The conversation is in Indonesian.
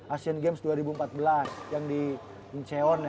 asian games dua ribu empat belas yang di inceone